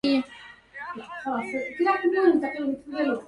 هنئت مفتتح الصيام السافر